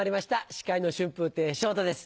司会の春風亭昇太です。